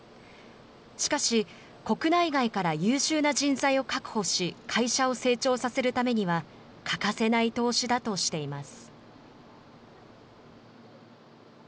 しかし、国内外から優秀な人材を確保し、会社を成長させるためには欠かせない投資だとしています。